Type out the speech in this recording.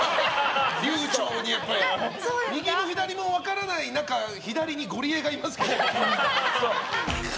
流暢に、右も左も分からない中左にゴリエがいますけど。